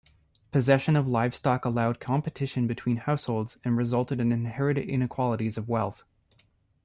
Possession of livestock allowed competition between households and resulted in inherited inequalities of wealth.